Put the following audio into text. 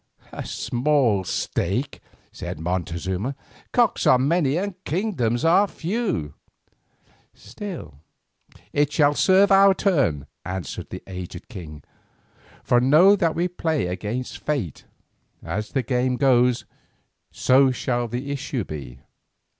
"A small stake," said Montezuma; "cocks are many and kingdoms few." "Still, it shall serve our turn," answered the aged king, "for know that we play against fate. As the game goes, so shall the issue be.